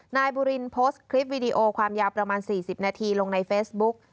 นายบุรินโพสต์คลิปวิดีโอความยาวประมาณ๔๐นาทีลงในเฟซบุ๊ก